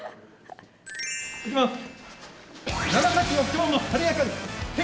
いきます。